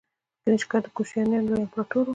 کنیشکا د کوشانیانو لوی امپراتور و